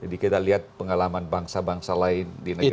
jadi kita lihat pengalaman bangsa bangsa lain di negara negara